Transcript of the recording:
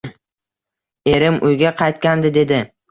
Erim uyga qaytganda dedi: